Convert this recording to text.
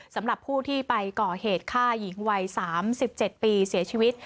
สำหรับผู้ที่ไปก่อเหตุฆ่าหญิงวัย๓๗ปีเสียชีวิต